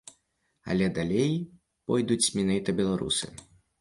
Але далей пройдуць менавіта беларусы.